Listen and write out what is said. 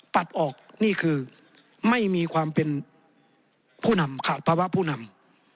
ตัดออกนี่คือไม่มีความเป็นผู้นำขาดภาวะผู้นำ